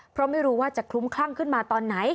เพราะไม่รู้ว่าจะคลุ้มคลั่งขึ้นมาตอนไหน